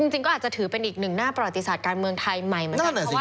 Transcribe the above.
จริงก็อาจจะถือเป็นอีกหนึ่งหน้าประวัติศาสตร์การเมืองไทยใหม่เหมือนกัน